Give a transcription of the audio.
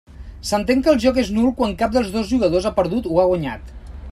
S'entén que el joc és nul quan cap dels dos jugadors ha perdut o ha guanyat.